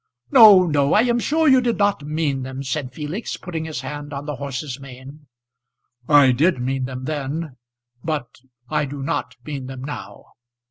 "No, no; I am sure you did not mean them," said Felix, putting his hand on the horse's mane. "I did mean them then, but I do not mean them now.